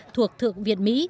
thuộc thượng việt mỹ